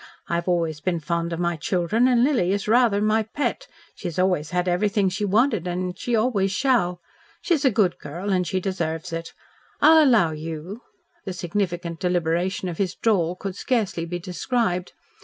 I've always been fond of my children, and Lily is rather my pet. She's always had everything she wanted, and she always shall. She's a good girl and she deserves it. I'll allow you " The significant deliberation of his drawl could scarcely be described.